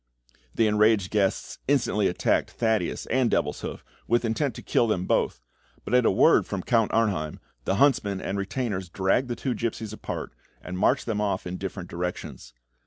The enraged guests instantly attacked Thaddeus and Devilshoof, with intent to kill them both, but at a word from Count Arnheim, the huntsmen and retainers dragged the two gipsies apart, and marched them off in different directions.